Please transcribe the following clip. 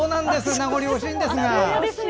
名残惜しいんですが。